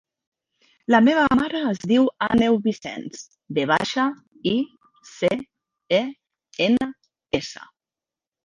La meva mare es diu Àneu Vicens: ve baixa, i, ce, e, ena, essa.